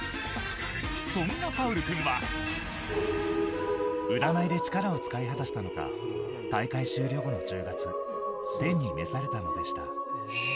そんなパウル君は占いで力を使い果たしたのか大会終了後の１０月天に召されたのでした。